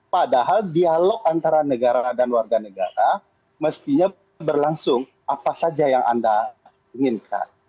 padahal dialog antara negara dan warga negara mestinya berlangsung apa saja yang anda inginkan